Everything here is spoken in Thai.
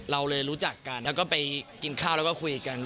เราเลยรู้จักกันแล้วก็ไปกินข้าวแล้วก็คุยกัน